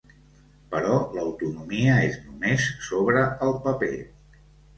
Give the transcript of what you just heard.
Però l’autonomia és només sobre el paper.